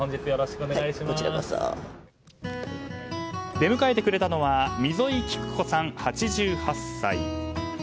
出迎えてくれたのは溝井喜久子さん、８８歳。